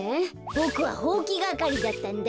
ボクはほうきがかりだったんだ。